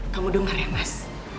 kamu dengar ya mas